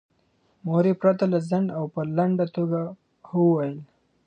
مور یې پرته له ځنډه او په لنډه توګه هو وویل.